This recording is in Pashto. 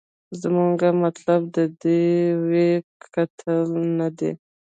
زمونګه مطلوب د ټي وي کتل نه دې.